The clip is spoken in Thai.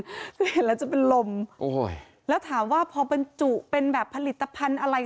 คือเห็นแล้วจะเป็นลมโอ้โหแล้วถามว่าพอบรรจุเป็นแบบผลิตภัณฑ์อะไร